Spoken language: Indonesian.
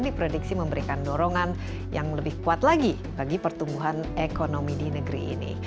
diprediksi memberikan dorongan yang lebih kuat lagi bagi pertumbuhan ekonomi di negeri ini